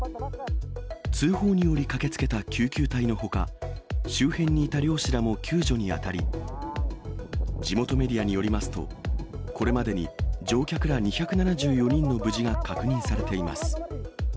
通報により駆けつけた救急隊のほか、周辺にいた漁師らも救助に当たり、地元メディアによりますと、これまでに乗客ら２７４人の無事が確認されています。